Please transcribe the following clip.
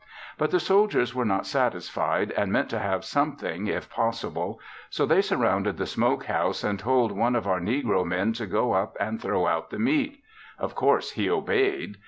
But the soldiers were not satisfied and meant to have something if possible, so they surrounded the smoke house and told one of our negro men to go up and throw out the meat. Of course he obeyed.